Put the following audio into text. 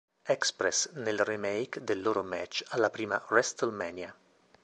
Express, nel remake del loro match alla prima WrestleMania.